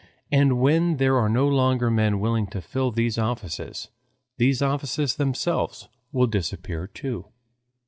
And when there are no longer men willing to fill these offices, these offices themselves will disappear too.